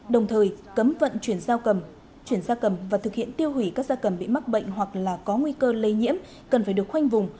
đồng thời cấm vận chuyển giao cầm chuyển da cầm và thực hiện tiêu hủy các gia cầm bị mắc bệnh hoặc là có nguy cơ lây nhiễm cần phải được khoanh vùng